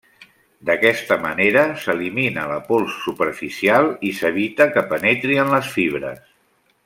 D'aquesta manera s'elimina la pols superficial i s'evita que penetri en les fibres.